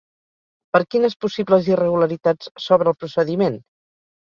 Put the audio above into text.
Per quines possibles irregularitats s'obre el procediment?